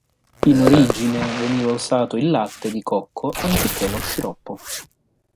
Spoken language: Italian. In origine veniva usato il latte di cocco anziché lo sciroppo.